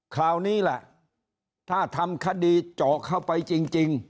คราวนี้แหละถ้าทำคดีเจาะเข้าไปจริง